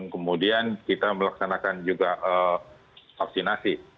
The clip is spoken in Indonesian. kemudian kita melaksanakan juga vaksinasi